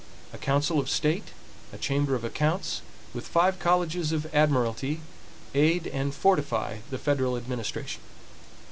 A council of state, a chamber of accounts, with five colleges of admiralty, aid and fortify the federal administration.